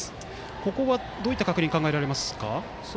ここは、どういった確認が考えられますか？